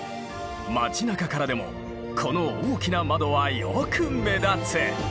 街なかからでもこの大きな窓はよく目立つ。